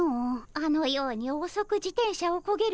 あのようにおそく自転車をこげる